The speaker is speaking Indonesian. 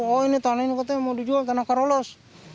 oh ini tanah ini katanya mau dijual tanah karolos